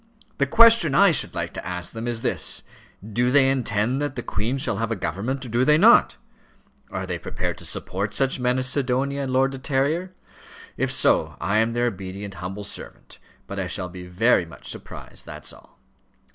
The question I should like to ask them is this: do they intend that the Queen shall have a government, or do they not? Are they prepared to support such men as Sidonia and Lord De Terrier? If so, I am their obedient humble servant; but I shall be very much surprised, that's all."